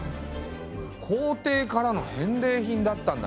皇帝からの返礼品だったんだね。